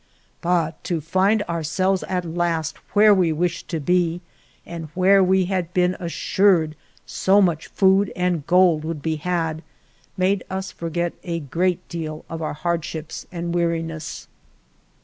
But to find ourselves at last where we wished to be and where we had been assured so much food and gold would be had, made us forget a great deal of our hardships and weariness.